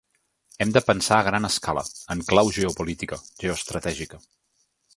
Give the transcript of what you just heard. Hem de pensar a gran escala, en clau geopolítica, geoestratègica.